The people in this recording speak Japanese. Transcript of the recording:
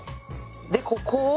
でここを。